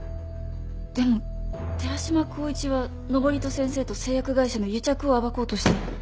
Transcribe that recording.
でも寺島光一は登戸先生と製薬会社の癒着を暴こうとして。